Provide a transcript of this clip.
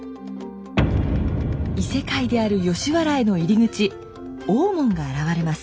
異世界である吉原への入り口大門が現れます。